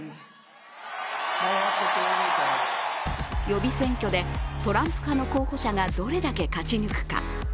予備選挙でトランプ派の候補者がどれだけ勝ち抜くか。